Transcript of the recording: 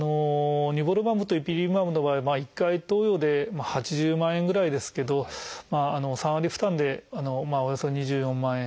ニボルマブとイピリムマブの場合は１回投与で８０万円ぐらいですけど３割負担でおよそ２４万円。